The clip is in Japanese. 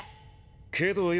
けどよ